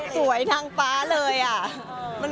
สวยทางป่าเลยอะ